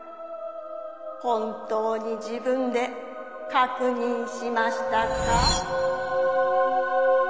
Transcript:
本当に自分で確認しましたか？